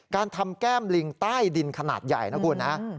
การทำแก้มลิงใต้ดินขนาดใหญ่นะคุณนะ